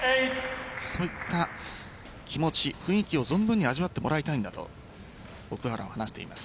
そういった気持ち、雰囲気を存分に味わってもらいたいんだと奥原は話しています。